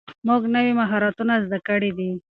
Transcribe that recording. موږ نوي مهارتونه زده کړي دي.